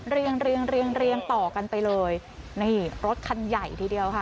เรียงเรียงเรียงเรียงต่อกันไปเลยนี่รถคันใหญ่ทีเดียวค่ะ